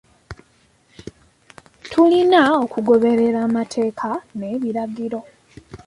Tulina okugoberera amateeka n'ebiragiro.